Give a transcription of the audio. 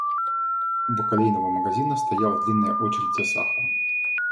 У бакалейного магазина стояла длинная очередь за сахаром.